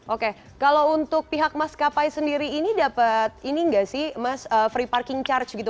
oke kalau untuk pihak mas kapai sendiri ini dapat free parking charge gitu